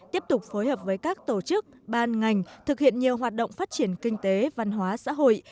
tiếp tục phối hợp với các tổ chức ban ngành thực hiện nhiều hoạt động phát triển kinh tế văn hóa xã hội